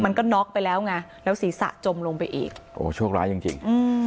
น็อกไปแล้วไงแล้วศีรษะจมลงไปอีกโอ้โชคร้ายจริงจริงอืม